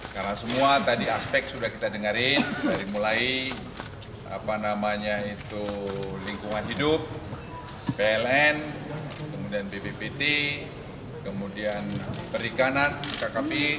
karena semua tadi aspek sudah kita dengarin dari mulai lingkungan hidup pln kemudian bppt kemudian perikanan kkp